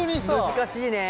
難しいね。